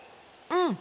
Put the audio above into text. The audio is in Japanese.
うん！